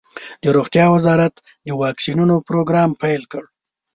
د روغتیا وزارت د واکسینونو پروګرام پیل کړ.